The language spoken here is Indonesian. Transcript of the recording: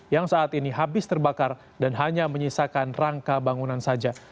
yang saat ini habis terbakar dan hanya menyisakan rangka bangunan saja